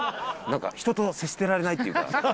なんか人と接していられないっていうか。